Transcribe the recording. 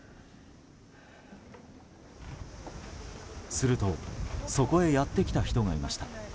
すると、そこへやってきた人がいました。